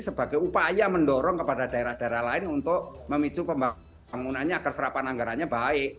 sebagai upaya mendorong kepada daerah daerah lain untuk memicu pembangunannya agar serapan anggarannya baik